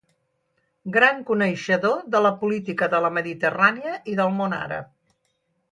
Gran coneixedor de la política de la Mediterrània i del Món Àrab.